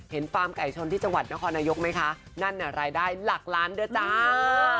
ฟาร์มไก่ชนที่จังหวัดนครนายกไหมคะนั่นน่ะรายได้หลักล้านด้วยจ้า